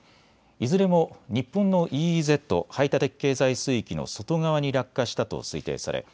いずれも日本のＥＥＺ・排他的経済水域の外側に落下したと推定され